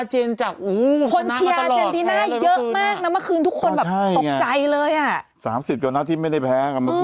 อาเจนจากอู้วสนับมาตลอดคนเชียร์อาเจนติน่าเยอะมากนะ